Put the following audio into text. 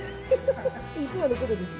いつものことですよ。